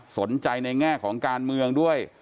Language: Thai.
สนใจในแง่ของการเมืองด้วย